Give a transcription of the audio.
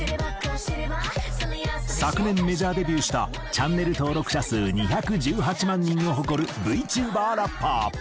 昨年メジャーデビューしたチャンネル登録者数２１８万人を誇るＶＴｕｂｅｒラッパー。